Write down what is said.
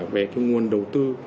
về cái nguồn đầu tư